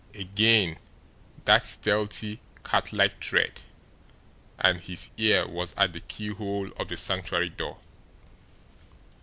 Again that stealthy, catlike tread and his ear was at the keyhole of the Sanctuary door.